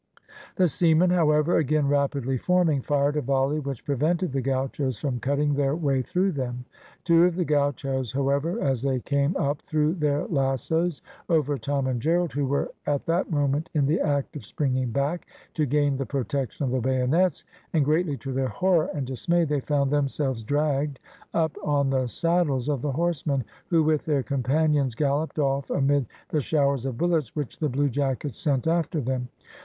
The seamen, however; again rapidly forming, fired a volley which prevented the gauchos from cutting their way through them. Two of the gauchos, however, as they came up, threw their lassos over Tom and Gerald, who were at that moment in the act of springing back to gain the protection of the bayonets, and greatly to their horror and dismay they found themselves dragged up on the saddles of the horsemen, who with their companions galloped off amid the showers of bullets which the bluejackets sent after them.